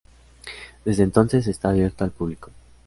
Desde entonces está abierto al público.